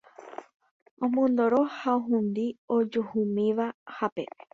Omondoro ha ohundi ojuhumíva hapépe